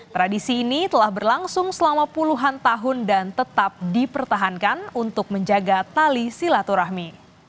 tradisi ini telah berlangsung selama puluhan tahun dan tetap dipertahankan untuk menjaga tali silaturahmi